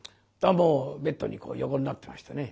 もうベッドにこう横になってましてね。